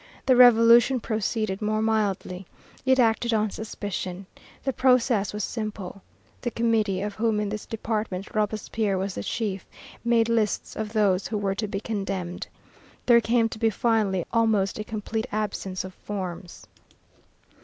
The Revolution proceeded more mildly. It acted on suspicion. The process was simple. The Committee, of whom in this department Robespierre was the chief, made lists of those who were to be condemned. There came to be finally almost a complete absence of forms.